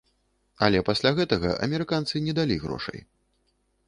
Але пасля гэтага амерыканцы не далі грошай.